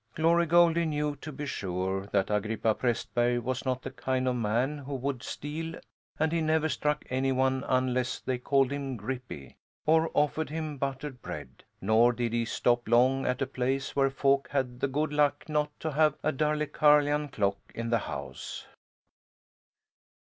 Glory Goldie knew, to be sure, that Agrippa Prästberg was not the kind of man who would steal, and he never struck any one unless they called him Grippie, or offered him buttered bread, nor did he stop long at a place where folk had the good luck not to have a Darlecarlian clock in the house.